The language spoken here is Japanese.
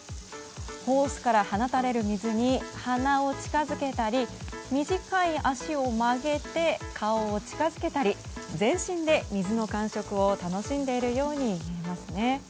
ホースから放たれる水に鼻を近づけたり短い足を曲げて顔を近づけたり全身で水の感触を楽しんでいるように見えますね。